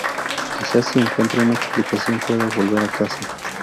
Quizá, si encuentro una explicación, pueda volver a casa"".